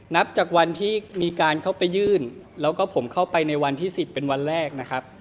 นับจากวันที่มีการเข้าไปยื่นแล้วก็ผมเข้าไปในวันที่๑๐เป็นวันแรกนะครับ